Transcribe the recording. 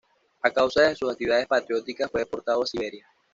A causa de sus actividades patrióticas, fue deportado a Siberia.